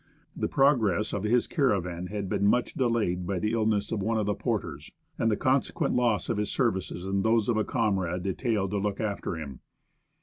The progress of his caravan had been much delayed by the illness of one of the porters, and the con sequent loss of his services and those of the comrade detailed to look after him.